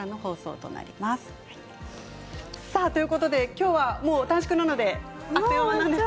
今日は短縮なのであっという間です。